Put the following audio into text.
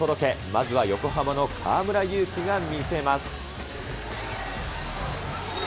まずは、横浜の河村勇輝が見せます。